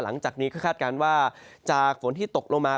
หลังจากนี้ก็คาดการณ์ว่าจากฝนที่ตกลงมา